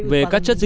về các chất diễn ra